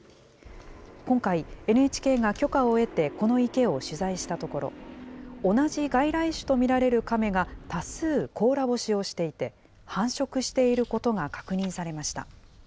今回、ＮＨＫが許可を得てこの池を取材したところ、同じ外来種と見られるカメが多数甲羅干しをしていて、繁殖していることが確認されました。